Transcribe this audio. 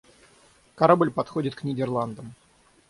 Корабль подходит к Нидерландам.